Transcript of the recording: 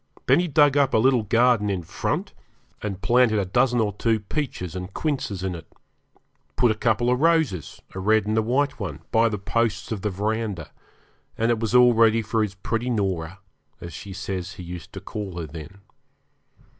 Then he dug up a little garden in front, and planted a dozen or two peaches and quinces in it; put a couple of roses a red and a white one by the posts of the verandah, and it was all ready for his pretty Norah, as she says he used to call her then.